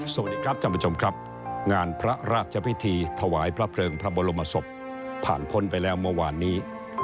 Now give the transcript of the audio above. สวัสดีครับท่านผู้ชมครับงานพระราชพิธีถวายพระเพลิงพระบรมศพผ่านพ้นไปแล้วเมื่อวานนี้